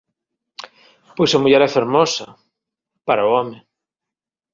Pois a muller é fermosa... para o home.